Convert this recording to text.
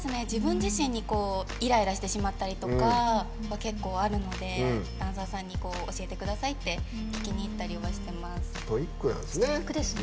自分自身にイライラしてしまったりとか結構あるのでダンサーさんに教えてくださいって聞きにいったりはしてます。